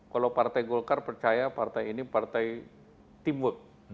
kalau partai golkar percaya partai ini partai teamwork